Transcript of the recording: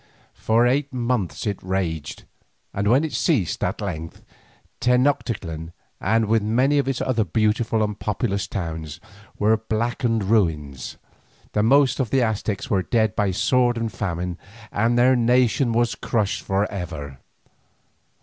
For eight months it raged, and when it ceased at length, Tenoctitlan, and with it many other beautiful and populous towns, were blackened ruins, the most of the Aztecs were dead by sword and famine, and their nation was crushed for ever.